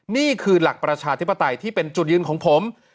นี่คือหลักประชาธิปไตยที่เป็นจุดยืนของผม